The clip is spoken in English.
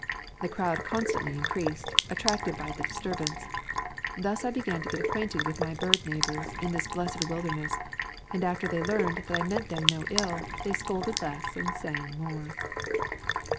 The crowd constantly increased, attracted by the disturbance. Thus I began to get acquainted with my bird neigh bors in this blessed wilderness, and after they learned that I meant them no ill they scolded less and sang more.